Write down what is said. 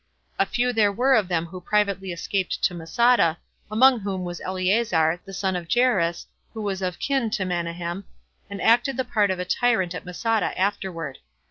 A few there were of them who privately escaped to Masada, among whom was Eleazar, the son of Jairus, who was of kin to Manahem, and acted the part of a tyrant at Masada afterward.